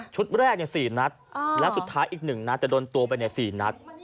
แรก๔นัดและสุดท้ายอีก๑นัดแต่โดนตัวไปใน๔นัด